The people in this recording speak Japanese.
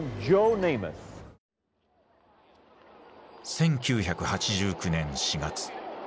１９８９年４月。